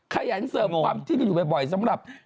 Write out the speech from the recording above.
ขยันเสิร์ฟความที่อยู่แบบบ่อยสำหรับ